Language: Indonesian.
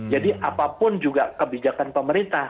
jadi apapun juga kebijakan pemerintah